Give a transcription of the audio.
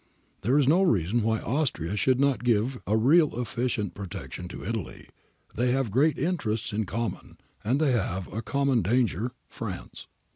There is no reason why Austria should not give a real, efficient protection to Italy; they have great interests in common, and they have a common danger, P'rance.